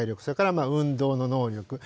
それから運動の能力。